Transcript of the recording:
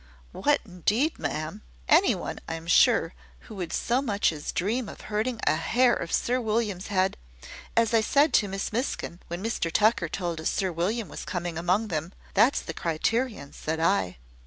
"What, indeed, ma'am! Any one, I'm sure, who would so much as dream of hurting a hair of Sir William's head... As I said to Miss Miskin, when Mr Tucker told us Sir William was come among them `that's the criterion,' said I."